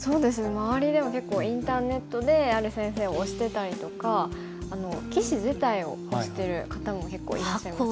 周りでも結構インターネットである先生を推してたりとか棋士自体を推してる方も結構いらっしゃいますよね。